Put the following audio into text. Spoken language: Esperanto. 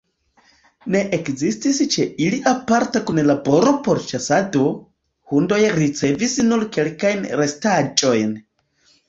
Ne ekzistis ĉe ili aparta kunlaboro por ĉasado, hundoj ricevis nur kelkajn restaĵojn.